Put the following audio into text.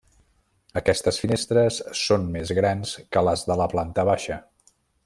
Aquestes finestres són més grans que les de la planta baixa.